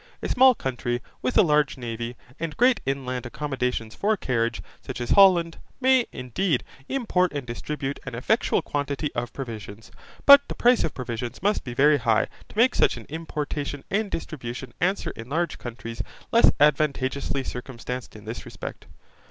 A small country with a large navy, and great inland accommodations for carriage, such as Holland, may, indeed, import and distribute an effectual quantity of provisions; but the price of provisions must be very high to make such an importation and distribution answer in large countries less advantageously circumstanced in this respect.